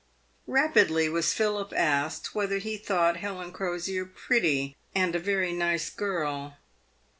Rapidly was Philip asked whether he thought Helen Crosier pretty and a very nice girl.